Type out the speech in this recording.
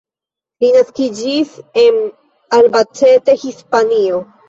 Li naskiĝis en Albacete, Hispanio.